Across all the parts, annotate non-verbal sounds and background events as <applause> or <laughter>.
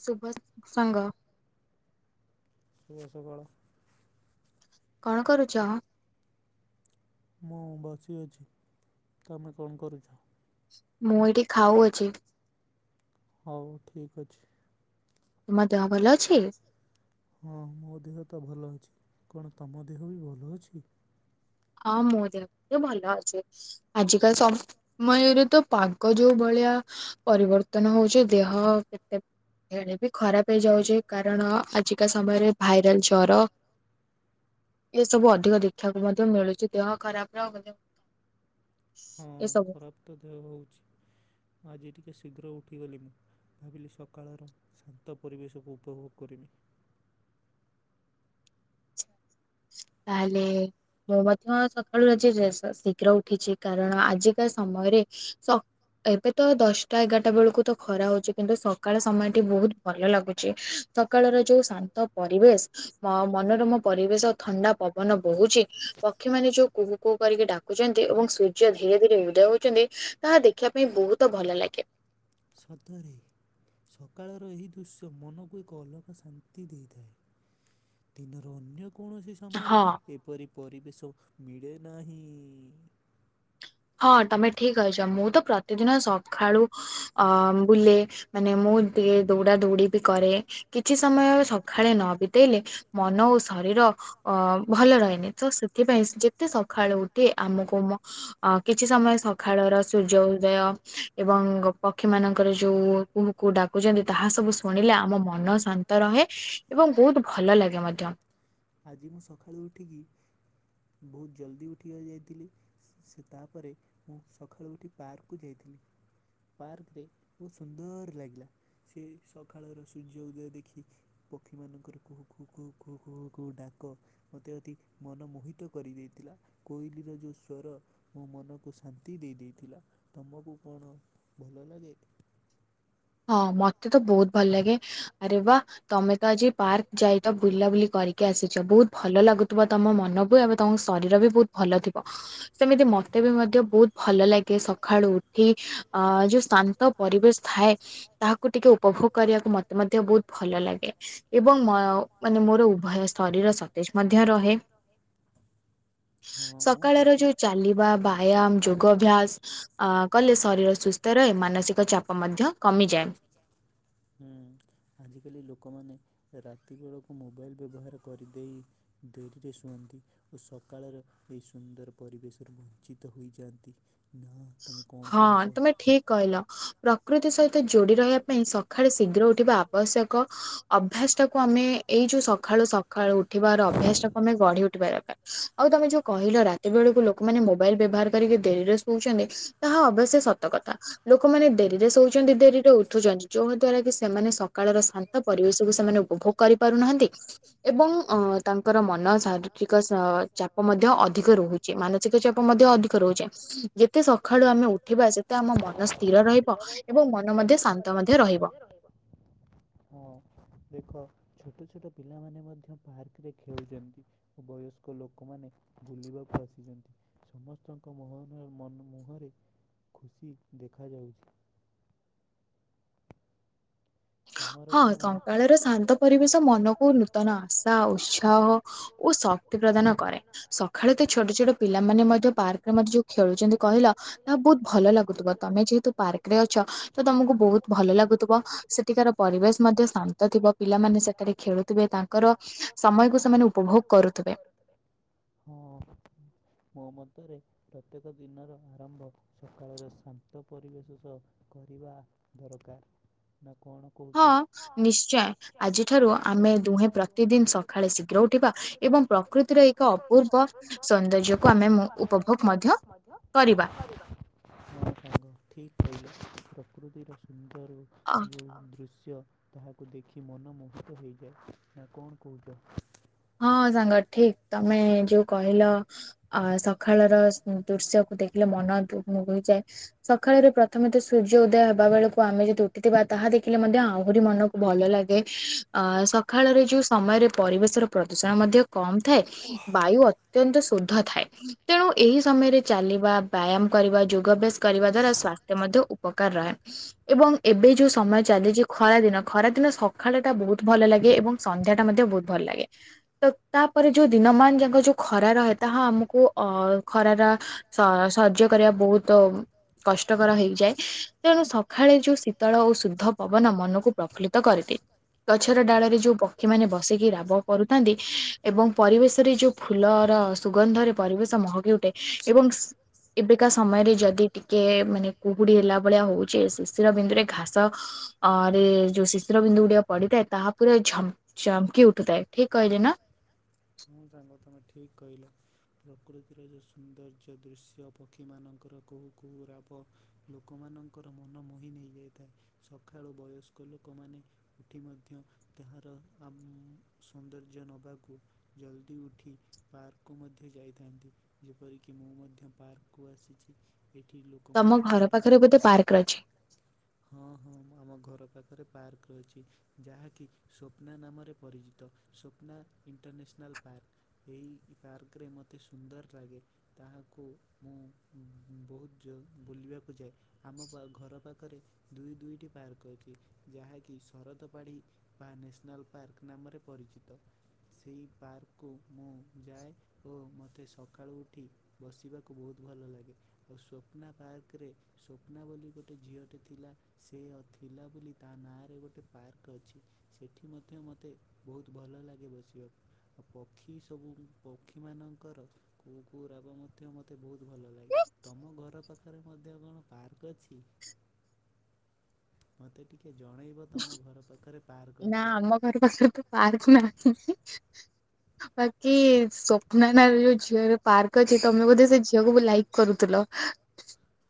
ଶୁଭସ୍ ସଂଙ୍ଗ। ଶୁଭ ସକାଳ। କଣ କରୁଚ? ମୁଁ ବସିଅଛି ତମେ କଣ କରୁଛ? ମୁଁ ଏଇଠି ଖାଉଅଛି। ହଉ ଠିକ୍ ଅଛି। ତୁମ ଦେହ ଭଲ ଅଛି? ହଁ ମୋ ଦେହ ତ ଭଲ ଅଛି। କଣ ତମ ଦେହ ବି ଭଲ ଅଛି? ହଁ ମୋ ଦେହଟିକିଏ ଭଲ ଅଛି। ଆଜିକାଲି ସମୟରେ ତ ପାଗ୍- ପାଗଯୋଉ ଭଳିଆ ପରିବର୍ତ୍ତନ ହୋଉଛି ଦେହ କେତେ ଏଣେ ବି ଖରାପ୍ ହେଇଯାଉଚି। କାରଣ ଆଜିକା ସମୟରେ ଭାଇରାଲ ଜର ଏ ସବୁ ଅଧିକ ଦେଖିବାକୁ ମଧ୍ୟ। ତ ମିଳୁଚି। ଦେହ ଖରାପର ବୋଧେ- ହଁ ଖରାପ ତ ଦେହ ହୋଉଚି। ଆଜି ଟିକିଏ ଶୀଘ୍ର ଉଠିଗଲିନି। ଭାବିଲି ସକାଳର ଶାନ୍ତ ପରିବେଶକୁ ଉପଭୋଗ କରିବି। ତାହେଲେ ମୁଁ ମଧ୍ୟ ସକାଳୁ ଆଜି ଶ ଶୀଘ୍ର ଉଠିଛି। କାରଣ ଆଜିକା ସମୟରେସ- ଏବେ ତ ଦଶଟା ଏଗାରଟା ବେଳକୁ ତ ଖରା ହୋଉଚି। କିନ୍ତୁ ସକାଳ ସମୟଟି ବହୁତ୍ ଭଲ ଲାଗୁଚି। ସକାଳର ଯୋଉ ଶାନ୍ତ ପରିବେଶ୍। ମ ମନୋରମ ପରିବେଶ। ଥଣ୍ଡା ପବନ ବୋହୁଚି। ପକ୍ଷୀମାନେ ଯୋଉ କୁହୁ କୁହୁ କରିକି ଡାକୁଚନ୍ତି ଏବଂ ସୂର୍ଯ୍ୟ ଧୀରେ ଧୀରେ ଉଦୟ ହୋ ଚନ୍ତି। ତାହା ଦେଖିବା ପାଇଁ ବହୁତ ଭଲ ଲାଗେ। ସତରେ ସକାଳର ଏହି ଦୃଶ୍ୟ ମନକୁ ଏକ ଅଲଗା ଶାନ୍ତି ଦେଇଥାଏ। ଦିନର ଅନ୍ୟ କୌଣସି ସମୟରେ ଏପରି ପରିବେଶ ମିଳେ ନାହିଁ। ହଁ ତମେ ଠିକ୍ କହିଛ। ମୁଁ ତ ପ୍ରତିଦିନ ସକାଳୁ ଅ ବୁଲେ। ମାନେ ମୁଁ ଦିଏ। ଦୌଡା ଦୌଡି ବି କରେ କିଛି ସମୟ ସଖାଳେ ନ ବିତେଇଲେ। ମନ ଓ ଶରୀର- ଅ ଭଲ ରହେନି। ତ ସେଥିପାଇଁ ଯେତେ ସକାଳୁ ଉଠି ଆମକୁ ମ ଅ କିଛି ସମୟ ସକାଳର ସୂର୍ଯ୍ୟ ଉଦୟ ଏବଂ ପକ୍ଷୀମାନଙ୍କର ଯୋଉ କୁହୁ କୁହୁ ଡାକୁଚନ୍ତି। ତାହା ସବୁ ଶୁଣିଲେ ଆମ ମନ ଶାନ୍ତ ରହେ ଏବଂ ବହୁତ୍ ଭଲ ଲାଗେ ମଧ୍ୟ। ଆଜି ମୁଁ ସକାଳୁ ଉଠିକି ବହୁତ୍ ଜଲଦି ଉଠିବାକୁ ଯାଇଥିଲି। ସେ ତାପରେ ମୁଁ ସକାଳୁ ଉଠି ପାର୍କକୁ ଯାଇଥିଲି। ପାର୍କରେ ବହୁତ୍ ସୁନ୍ଦର ଲାଗିଲା। ସେ ବି ସକାଳର ସୂର୍ଯ୍ୟ ଉଦୟ ଦେଖି, ପକ୍ଷୀ ମାନଙ୍କର କୁହୁ କୁହୁ କୁହୁ କୁହୁ କୁହୁ। କୁହୁ ଡାକ ମୋତେ ଅତି ମନମୋହିତ କରିଦେଇଥିଲା। କୋଇଲିର ଯୋଉ ସ୍ୱର। ମୋ ମନକୁ ଶାନ୍ତି ଦେଇ ଦେଇଥିଲା। ତମକୁ କଣ ଭଲ ଲାଗେ? ହଁ ମତେ ତ ବହୁତ୍ ଭଲ ଲାଗେ। ଆରେ ବା। ତମେ ତ ଆଜି ପାର୍କ ଯାଇ ତ ବୁଲାବୁଲି କରିକି ଆସିଚ। ବହୁତ୍ ଭଲ ଲାଗୁଥିବ ତମ ମନ? ବୁ ଏବେ ତମ ଶରୀର ବି ବହୁତ୍ ଭଲ ଥିବ। ସେମିତି ମତେ ବି ମଧ୍ୟ ବହୁତ୍ ଭଲ ଲାଗେ। ସକାଳୁ ଉଠି ଅଁ ଯୋଉ ଶାନ୍ତ ପରିବେଶ ଥାଏ। ତାହାକୁ ଟିକିଏ ଉପଭୋଗ କରିବାକୁ ମତେ ମଧ୍ୟ ବହୁତ୍ ଭଲ ଲାଗେ। ଏବଂ ମ ମାନେ ମୋର ଉଭୟ ଶରୀର ସତେଜ୍ ମଧ୍ୟ ରହେ। ହୁଁ ସକାଳର ଯୋଉ ଚାଲିବା ବାୟାମ ଯୋ ଯୋଗ ଅଭ୍ୟାସ୍ ଅ କଲେ ଶରୀର ସୁସ୍ଥ ରହେ। ମାନସିକ ଚାପ ମଧ୍ୟ କମିଯାଏ। ହୁଁ ଆଜିକାଲି ଲୋକମାନେ ରାତି ବେଳକୁ ମୋବାଇଲ ବ୍ୟବହାର କରିଦେଇ ଡେରିରେ ସୁଅନ୍ତି। ଓ ସକାଳର ଏଇ ସୁନ୍ଦର ପରିବେଶରୁ ବଞ୍ଚିତ ହୋଇଯାଆନ୍ତି ନା। ହଁ, ତମେ ଠିକ୍ କହିଲ। ପ୍ରକୃତି ସହିତ ଯୋଡି ରହିବା ପାଇଁ ସକାଳେ ଶୀଘ୍ର ଉଠିବା ଆବ୍ ଆବଶ୍ୟକ। ଅଭ୍ୟାସ୍ ଟାକୁ ଆମେ ଏଇ ଯୋଉ ସଖାଳୁ ସକ୍ ଖାଳୁ ଉଠିବାର ଅଭ୍ୟାସଟାକୁ ଆମେ ଗଢି ଉଠିବା ରକାର। ଆଉ ତମେ ଯୋଉ କହିଲ ରାତି ବେଳକୁ ଲୋକ୍ କମାନେ ମୋବାଇଲ୍ ବ୍ୟବହାର କରିକି ଦେରିରେ ଶୋଉଛନ୍ତି, ତାହା ଅବଶ୍ୟ ସତ କଥା। ଲୋକମାନେ ଡେରିରେ ଶୋଉଛନ୍ତି, ଡେରିରେ ଉଠୁଛନ୍ତି। ଯୋଉ ଦ୍ଵାରା କି, ସେମାନେ ସକାଳର ଶାନ୍ ନ୍ତ ପରିବେଶକୁ ସେମାନେ ଉପଭୋଗ କରିପାରୁନାହାଁନ୍ତି। ଏବଂ ଅଁ ତାଙ୍କର ମନ ଶାରୀରିକ ସ ଚାପ ମଧ୍ୟ ଅଧିକ ରହୁ ଚି, ମାନସିକ ଚାପ ମଧ୍ୟ ଅଧିକ ରହୁଚି। ଯେତେ ସଖାଳୁ ଆମେ ଉଠିବା, ସେତେ ଆମ ମନସ୍ ସ୍ଥିର ରହିବ। ଏବଂ ମନ ମଧ୍ୟ ଶାନ୍ତ ମଧ୍ୟ ରହିବ। ରହିବ। ହଁ। ଦେଖ, ଛୋଟ ଛୋଟ ପିଲାମାନେ ମଧ୍ୟ ପାର୍କରେ ଖେଳୁଚନ୍ତି। ଓ ବୟସ୍କ ଲୋକମାନେ ବୁଲିବାକୁ ଆସିଚନ୍ତି। ସମସ୍ତଙ୍କ ମହନ ମନ୍ ମୁହଁରେ ଖୁସି ଦେଖାଯାଉଛି। ହଁ, ସଙ୍କାଳର ଶାନ୍ତ ପରିବେଶ ମନକୁ ନୂତନ ଆଶା ଉତ୍ସାହ ଓ ଶକ୍ତି ପ୍ରଦାନ କରେ, ସଖାଳେ ତ ଛୋଟ ଛୋଟ ପିଲାମାନେ ମଧ୍ୟ ପାର୍କରେ ମଧ୍ୟ ଯୋଉ ଖେଳୁଛନ୍ତି କହିଲ, ତାହା ବହୁତ ଭଲ ଲାଗୁଥିବ। ତମେ ଯେହେତୁ ପାର୍କରେ ଅଛ ତ, ତମକୁ ବହୁତ ଭଲ ଲାଗୁଥୁ ବ ସେଠିକା ପରିବେଶ ମଧ୍ୟ ଶାନ୍ତ ଥିବ। ପିଲାମାନେ ସେଠାରେ ଖେଳୁଥିବେ, ତାଙ୍କର ସମୟ କୁ ସେମାନେ ଉପଭୋଗ କରୁଥିବେ। ହଁ, ମୋ ମତରେ ପ୍ରତ୍ୟେକ ଦିନର ଆରମ୍ଭ ସକାଳର ଶାନ୍ତ ପରିବେଶ ସହ କରିବା ଦରକାର। କଣ? ହଁ, ନିଶ୍ଚୟ ଆଜିଠାରୁ ଆମେ ଦୁହେଁ, ପ୍ରତିଦିନ ସକାଳେ ଶୀଘ୍ର ଉଠିବା। ଏବଂ ପ୍ରକୃତିର ଏକ ଅପୂର୍ବ <inaudible> ଯୋଗୁଁ ଆମେ, ମୁଁ ଉପଭୋଗ ମଧ୍ୟ କରିବା। ହଁ, ସାଙ୍ଗ ଠିକ୍ କହିଲ। ପ୍ରକୃତିର ସୁନ୍ଦରୁ ଦୃଶ୍ୟ ତାହାକୁ ଦେଖି ମନମୋହିତ ହେଇଯାଏ, ନା କଣ କହୁଛ? ହଁ, ସାଙ୍ଗ ଠିକ୍ ତମେ ଯୋଉ କହିଲ ଅ ସଖାଳ ର ଦୃଶ୍ୟକୁ ଦେଖିଲେ ମନ ଦୁଗ୍ମୁକ୍ ହେଇଯାଏ। ସଖାଳରେ ପ୍ରଥମେ ତ ସୂର୍ଯ୍ୟ ଉଦୟ ହେବା ବେଳକୁ ଆମେ ଯଦି ଉଠିଥିବା, ତାହା ଦେଖିଲେ ମଧ୍ୟ ଆହୁରି ମନ ଭଲ ଲାଗେ ଅ, ସଖାଳରେ ଯୋଉ ସମୟରେ ପରିବେଶର ପ୍ରଦୂଷଣ ମଧ୍ୟ କମ୍ ଥାଏ। ବାୟୁ ଅତ୍ୟନ୍ତ ଶୁଦ୍ଧ ଥାଏ। ତେଣୁ ଏହି ସମୟରେ ଚାଲିବା, ବ୍ୟାୟାମ୍ କରିବା ଯୋଗାଭ୍ୟାସ କରିବା, ଦ୍ଵାରା ସ୍ଵାସ୍ଥ୍ୟ ମଧ୍ୟ ଉପକାର ରହେ। ଏବଂ ଏବେ ଯୋଉ ସମୟ ଚାଲିଚି ଖରା ଦିନ, ଖରା ଦିନ ସଖାଳ ଟା ବହୁତ ଭଲ ଲାଗେ ଏବଂ ସନ୍ଧ୍ୟା ଟା ମଧ୍ୟ, ବହୁତ ଭଲ ଲାଗେ। ତ, ତା'ପରେ ଯୋଉ ଦିନମାନ ଯା'ଙ୍କ ଯୋଉ ଖରା ରହେ, ତାହା ଆମକୁ ଅ- ଖରାରା ସ-ସଯ୍ୟ କରିବା ବହୁତମ୍ କଷ୍ଟକର ହେଇଯାଏ। ତେଣୁ ସଖାଳେ ଯୋଉ ଶୀତଳ ଓ ଶୁଦ୍ଧ ପବନ ମନକୁ ପ୍ରଫୁଲ୍ଲିତ କରିଦିଏ। ଗଛର ଡାଳରେ ଯୋଉ ପକ୍ଷୀମାନେ ବସିକି ରାବ କରୁଥାନ୍ତି, ଏବଂ ପରିବେଶରେ ଯୋଉ ଫୁଲର ସୁଗନ୍ଧରେ ପରିବେଶ ମହକି ଉଠେ ଏବଂ ଶି ଏବେକା ସମୟରେ ଯଦି ଟିକେ ମାନେ କୁହୁଡି ହେଲା ଭଳିଆ ହଉଛି, ଶିଶିର ବିନ୍ଦୁରେ ଘାସ ଆରେ-ଏ ଯୋଉ ଶିଶିର ବିନ୍ଦୁ ଗୁଡିକ ପଡିିଥାଏ। ତାହା ପୁରା ଝମ୍ ଚମକି ଉଠୁଥାଏ। ଠିକ୍ କହିଲି ନା? ମୁଁ ସାଙ୍ଗ ତମେ ଠିକ୍ କହିଲ। ପ୍ରକୃତିର ଯଉ ସୌନ୍ଦର୍ଯ୍ୟ ଦୃଶ୍ୟ, ପକ୍ଷୀମାନଙ୍କର କୁହୁ କୁହୁ ରାବ। ଲୋକମାନଙ୍କର ମନ ମୋହି ନେଇଯାଇଥାଏ। ସକାଳୁ ବୟସ୍କ ଲୋକମାନେ ଉଠି ମଧ୍ୟ ତାହାର ଆ ସୌନ୍ଦର୍ଯ୍ୟ ନେବାକୁ ଜଲ୍ଦି ଉଠି ପାର୍କକୁ ମଧ୍ୟ ଯାଇଥାନ୍ତି ଯେପରିକି ମୁଁ ମଧ୍ୟ ପାର୍କକୁ ଆସିଛି। ଏଠି ଲୋକ ତମ ଘର ପାଖରେ ବୋଧେ ପାର୍କ ଅଛି। ହଁ ହଁ ଆମ ଘର ପାଖରେ ପାର୍କ ରହିଛି। ଯାହାକି ସ୍ୱପ୍ନା ନାମରେ ପରିଚିତ ସ୍ୱପ୍ନା ଇଣ୍ଟରନ୍ୟାସନାଲ୍ ପାର୍କ। ଏଇ କାର୍କରେ ମତେ ସୁନ୍ଦର ଲାଗେ। ତାହାକୁ ମୁଁ ବହୁତ ଯ ବୁଲିବାକୁ ଯାଏ। ଆମ ଘର ପାଖରେ ଦୁଇ ଦୁଇଟି ପାର୍କ ଅଛି ଯାହାକି ଶରତ ପାଢ଼ୀ ବା ନ୍ୟାସନାଲ୍ ପାର୍କ ନାମରେ ପରିଚିତ ସେଇ ପାର୍କକୁ ମୁଁ ଯାଏ ଓ ମୋତେ ସକାଳୁ ଉଠି ବସିବାକୁ ବହୁତ ଭଲ ଲାଗେ। ଆଉ ସ୍ୱପ୍ନା ପାର୍କରେ ସ୍ୱପ୍ନା ବୋଲି ଗୋଟେ ଝିଅଟେ ଥିଲା। ସେ ଥିଲା ବୋଲି ତା ନାଁରେ ଗୋଟେ ପାର୍କ ଅଛି। ସେଠି ମଧ୍ୟ ମୋତେ ବହୁତ ଭଲ ଲାଗେ ବସିବାକୁ। ଆଉ ପକ୍ଷୀ ସବୁ ପକ୍ଷୀମାନଙ୍କର କୂ କୂ ରାବ ମଧ୍ୟ ମୋତେ ବହୁତ ଭଲ ଲାଗେ। ତମ ଘର ପାଖରେ ମଧ୍ୟ ପାର୍କ ଅଛି? ମତେ ଟିକେ ଜଣେଇବ ତମ ଘର ପାଖରେ ପାର୍କ ଅଛି କି। ପାର୍କ ନାଛି ବାକି ସ୍ୱପ୍ନ ନା ଯୋଉ ଝିଅର ପାର୍କ ଅଛି ତମେ ବୋଧେ ସେ ଝିଅକୁ ଲାଇକ୍ କରୁଥିଲ।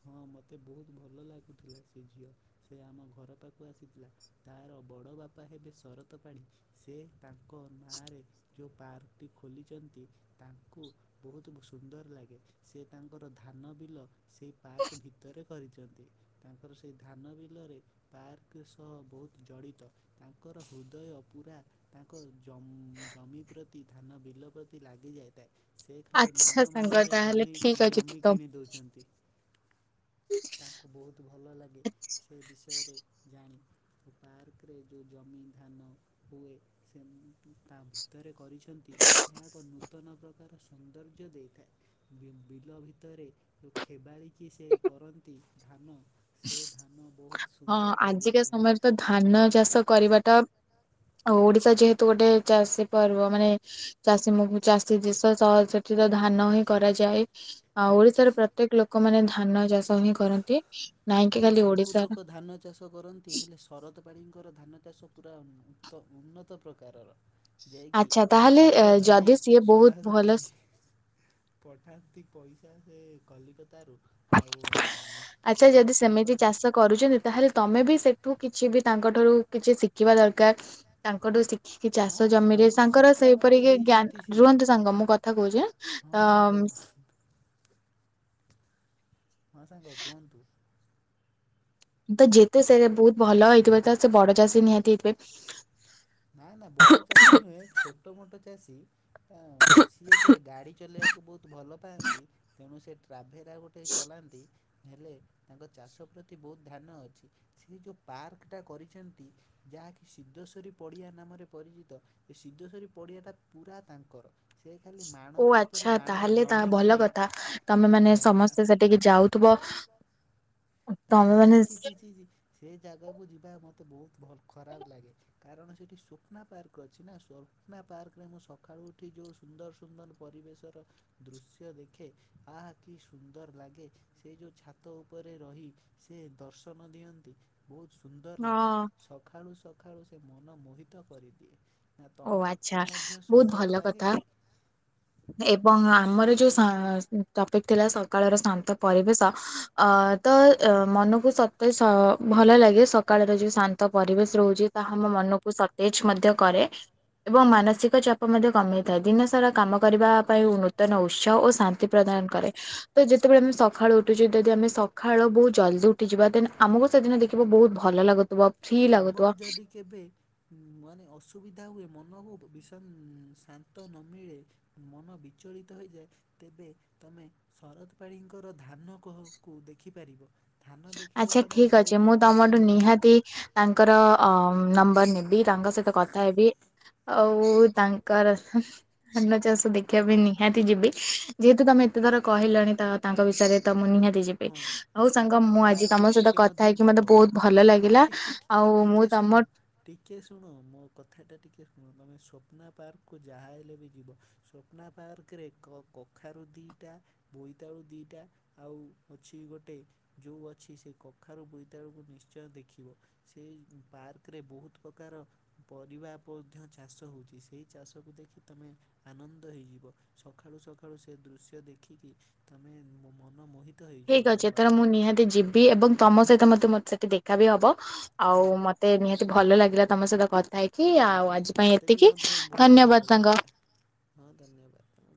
ହଁ ମୋତେ ବହୁତ ଭଲ ଲାଗୁଥିଲା ସେ ଝିଅ ସେ ଆମ ଘର ପାଖକୁ ଆସିଥିଲା। ତାର ବଡ଼ ବାପା ହେବେ ଶରତ ପାଢ଼ି ସେ ତାଙ୍କ ନାଁରେ ଯଉ ପାର୍କଟି ଖୋଲିଛନ୍ତି ତାଙ୍କୁ ବହୁତ ସୁନ୍ଦର ଲାଗେ ସେ ତାଙ୍କର ଧାନ ବିଲ ସେଇ ପାର୍କ ଭିତରେ କରିଛନ୍ତି ତାଙ୍କର ସେହି ଧାନ ବିଲରେ ପାର୍କ ସହ ବହୁତ ଜଡିତ ତାଙ୍କର ହୃଦୟ ପୁରା ତାଙ୍କ ଜମି ପ୍ରତି ଧାନ ବିଲ ପ୍ରତି ଲାଗି ଯାଇଥାଏ। ସେ ଖାଲି ମାଣ ମାଣରେ ଜମି ଜମି କିଣି ଦେଉଛନ୍ତି। ତାଙ୍କୁ ବହୁତ ଭଲ ଲାଗେ ସେ ବିଷୟରେ ଜାଣି ପାର୍କରେ ଯେଉଁ ଜମି ଧାନ ହୁଏ ସେ ତା ବି ଭିତରେ କରିଛନ୍ତି ଏହା ଏକ ନୂତନ ପ୍ରକାର ସୌନ୍ଦର୍ଯ୍ୟ ଦେଇଥାଏ। ବିଲ ଭିତରେ ଖେବାଳିକି ସେ କରନ୍ତି ଧାନ ସେ ଧାନ ବହୁତ ସୁନ୍ଦର ଲାଗିଥାଏ। ଧାନ ଚାଷ କରିବାଟା ଓଡିଶା ଯେହେତୁ ଗୋଟେ ଚାଷୀ ପର୍ବ ମାନେ ଚାଷୀ ଚାଷୀ ଜଷ ସହ ସେଠ ତ ଧାନ ହିଁ କରାଯାଏ। ଆ ଓଡିଶାର ପ୍ରତ୍ୟେକ ଲୋକମାନେ ଧାନ ଚାଷ ହିଁ କରନ୍ତି। ହଁ ସବୁ ଲୋକତ ଧାନ ଚାଷ କରନ୍ତି ହେଲେ ଶରତ ପାଳିଙ୍କର ଧାନ ଚାଷ ପୁରା ଉନ୍ନତ ପ୍ରକାରର ଯାଇକି ସେ ତାଙ୍କ ଭାଇ ସୁବାସ ପାଢ଼ି ପଠାନ୍ତି ପଇସା ସେ କଲିକତାରୁ ଆଉ। <unintelligible> ସେ ତାଙ୍କର କରୁଛନ୍ତି ତାହେଲେ ତମେ ବି ସେଠୁ କିଛି ବି ତାଙ୍କଠାରୁ କିଛି ଶିଖିବା ଦରକାର ତାଙ୍କଠୁ ସି କି କି ଚାଷ ଜମିରେ ତାଙ୍କର ସେଇପରି କି ଜ୍ଞ ରୁହନ୍ତୁ ସାଙ୍ଗ ମୁଁ କଥା କହୁଛି ହେ ହଁ ସାଙ୍ଗ ହଁ ସାଙ୍ଗ କୁହନ୍ତୁ, ତ ଯେତେ ସେ ବହୁତ ଭଲ ହେଇଥିବେ ତ ସେ ବଡ ଚାଷୀ ନିହାତି ହେଇଥିବେ। ନାଁ ନାଁ ବଡ ଚାଷୀ ନୁହେଁ। ଛୋଟ ମୋଟ ଚାଷୀ। ତା ସିଏ ଟିକେ ଗାଡ଼ି ଚଲେଇବାକୁ ବହୁତ ଭଲ ପାଆନ୍ତି ତେଣୁ ସେ ଟ୍ରାଭେରା ଗୋଟେ ସେ ଚଲାନ୍ତି, ହେଲେ ତାଙ୍କ ଚାଷ ପ୍ରତି ବହୁତ ଧ୍ୟାନ ଅଛି। ସିଏ ଯୋଉ ପାର୍କଟା କରିଚନ୍ତି ଯାହାକି ସିଦ୍ଧେଶ୍ୱରୀ ପଡ଼ିଆ ନାମରେ ପରିଚିତ। ଏ ସିଦ୍ଧେଶ୍ୱରୀ ପଡ଼ିଆଟା ପୁରା ତାଙ୍କର। ସେଇ ଖାଲି ଓ ଆଚ୍ଛା ତାହେଲେ ତାହା ଭଲ କଥା ତମେ ମାନେ ସମସ୍ତେ ସେଠିକି ଯାଉଥିବ। ନାଁ ନାଁ ଛି ଛି ଛି ଛି ସେ ଜାଗାକୁ ଯିବା ମତେ ବହୁତ ଭଲ ଖରାପ ଲାଗେ। କାରଣ ସେଠି ସ୍ୱପ୍ନା ପାର୍କ ଅଛି ନା, ସ୍ୱପ୍ନା ପାର୍କରେ ମୁଁ ସକାଳୁ ଉଠି ଯୋଉ ସୁନ୍ଦର ସୁନ୍ଦର ପରିବେଶର ଦୃଶ୍ୟ ଦେଖେ ଆହା କି ସୁନ୍ଦର ଲାଗେ, ସେ ଯୋଉ ଛାତ ଉପରେ ରହି। ସିଏ ଦର୍ଶନ ଦିଅନ୍ତି ବହୁତ ସୁନ୍ଦର ଲାଗେ। ସଖାଳୁ ସଖାଳୁ ସେ ମନ ମୋହିତ କରିଦିଏ। ନା ତମ ପୁଅ ମଧ୍ୟ ସୁନ୍ଦର ଲାଗେ କି? ଏବଂ ଆମର ଯୋଉ ସା ଟପିକ୍ ଥିଲା ସକାଳର ଶାନ୍ତ ପରିବେଶ ଅଁ ତ ମନକୁ ସତେ ସ ଭଲ ଲାଗେ ସ କାଳର ଯୋଉ ଶାନ୍ତ ପରିବେଶ ରହୁଛି ତାହା ଆମ ମନକୁ ସତେଜ ମଧ୍ୟ କରେ। ଏବଂ ମାନସିକ ଚାପ ମଧ୍ୟ କମେଇଥାଏ, ଦିନ ସାରା କାମ କରିବା ପାଇଁ ନୂତନ ଉତ୍ସାହ ଓ ଶାନ୍ତି ପ୍ରଦାନ କରେ। ତ ଯେତେବେଳେ ଆମେ ସଖାଳୁ ଉଠୁଚୁ, ଯଦି ଆମେ ସଖାଳ କୁ ଜଲ୍ଦି ଉଠିଯିବା ଦେନ ଆମକୁ ସେଦିନ ଦେଖି ଏବଂ ବହୁତ ଭଲ ଲାଗୁଥିବ। ତୁମକୁ ଯଦି କେବେ ମାନେ ଅସୁବିଧା ହୁଏ ମନକୁ ବିଷନ ଶାନ୍ତ ନ ମିିଳେ। ମନ ବିଚଳିତ ହେଇଯାଏ। ତେବେ ତମେ ଶରତ ପାଢିଙ୍କର ଧାନ କହ କୁ ଦେଖିପାରିବ। ଆଚ୍ଛା ଠିକ ଅଛି, ମୁଁ ତମଠୁ ନିହାତି ତାଙ୍କର ଅ ନମ୍ବର ନେବି। ତାଙ୍କ ସହିତ କଥା ହେବି। ଆଉ ତାଙ୍କର ହୁଁ ଧାନ ଚାଷ ଦେଖିବା ପାଇଁ ନିହାତି ଯିବି, ଯେହେତୁ ତମେ ଏତେଥର କହିଲଣି ତ ତାଙ୍କ ବିଷୟରେ ତ ମୁଁ ନିହାତି ଯିବି। ହଉ ସାଙ୍ଗ, ତ ମୁଁ ଆଜି ତମ ସହିତ କଥା ହେଇକି ମତେ ବହୁତ ଭଲ ଲାଗିଲା, ଆଉ ମୁଁ ତମ ଟିକେ ଶୁଣ ମୋ କଥାଟା ଟିକେ ଶୁଣ, ତମେ ସ୍ୱପ୍ନା ପାର୍କକୁ ଯାହା ହେଲେ ବି ଯିବ। ସ୍ୱପ୍ନା ପାର୍କରେ କ କଖାରୁ ଦିଟା ବୋଇତାଳୁ ଦିଟା ଆଉ ଅଛି ଗୋଟେ ଯୋଉ ଅଛି, ସେ କଖାରୁ ବୋଇତାଳକୁ ନିଶ୍ଚୟ ଦେଖିବ। ସେ ପାର୍କରେ ବହୁତ ପ୍ରକାର ପରିବା ମଧ୍ୟ ଚାଷ ହଉଛି ସେଇ ଚାଷକୁ ଦେଖି ତମେ ଆନନ୍ଦ ହେଇଯିବ, ସଖାଳୁ ସଖାଳୁ ସେ ଦୃଶ୍ୟ ଦେଖିକି ତମେ ମନମୋହିତ ଠିକ୍ ଅଛି ଏଥର ମୁଁ ନିହାତି ଯିବି, ଏବଂ ତମ ସହିତ ମତେ ମତେ ସେଠି ଦେଖା ବି ହବ। ଆଉ ମ ତେ ନିହାତି ଭଲ ଲାଗିଲା ତମ ସହିତ କଥା ହେଇକି, ଆଉ ଆଜି ପାଇଁ ଏତିକି ଧନ୍ୟବାଦ ସାଙ୍ଗ। ହଁ ଧନ୍ୟବାଦ ସାଙ୍ଗ।